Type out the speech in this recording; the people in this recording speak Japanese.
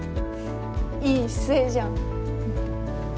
いい姿勢じゃん。